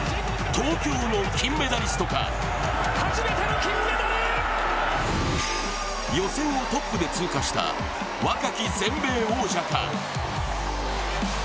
東京の金メダリストか、予選をトップで通過した若き全米王者か。